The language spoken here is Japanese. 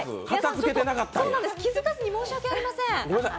気付かずに申し訳ありません。